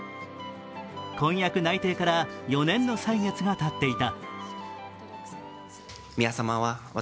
婚約内定から４年の歳月がたっていた。